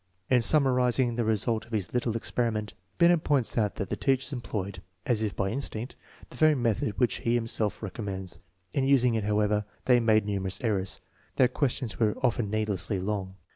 In summarizing the result of his little experiment, Binet points out that the teachers employed, as if by instinct, the very method which he himself recommends. In using it, however, they made numerous errors. Their questions were often needlessly long.